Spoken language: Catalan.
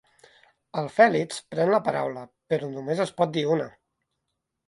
El Fèlix pren la paraula, però només en pot dir una.